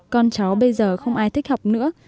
con cháu bây giờ không ai thích học nữa